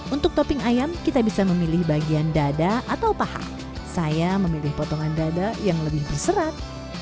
untuk topping ayam kita bisa memilih bagian dada atau paha saya memilih potongan dada yang lebih berserat